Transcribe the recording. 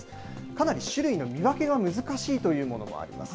かなり種類の見分けが難しいというものもあります。